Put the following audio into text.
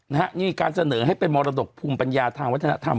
นี่การเสนอให้เป็นมรดกภูมิปัญญาทางวัฒนธรรม